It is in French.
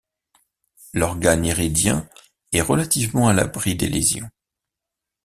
L'organe iridien est relativement à l’abri des lésions.